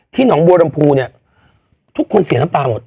หนองบัวลำพูเนี่ยทุกคนเสียน้ำตาหมด